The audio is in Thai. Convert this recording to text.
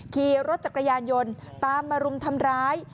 ขี่รถจักรยานยนต์ตามมารุมทำร้าย